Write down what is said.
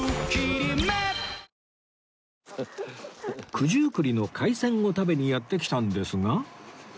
九十九里の海鮮を食べにやって来たんですが